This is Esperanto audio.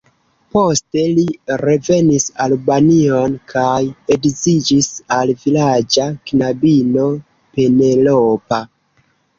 Poste li revenis Albanion kaj edziĝis al vilaĝa knabino, Penelopa.